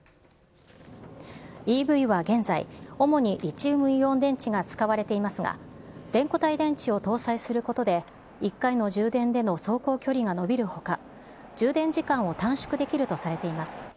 ＥＶは現在、主にリチウムイオン電池が使われていますが、全固体電池を搭載することで、１回の充電での走行距離が伸びるほか、充電時間を短縮できるとされています。